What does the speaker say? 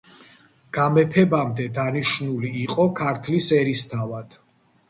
გამეფებამდე დანიშნული იყო ქართლის ერისთავად.